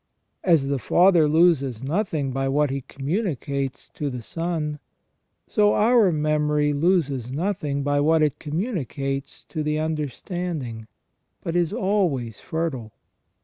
As the Father loses nothing by what He communicates to the Son, so our memory loses nothing by what it communicates to the understanding, but is always fertile.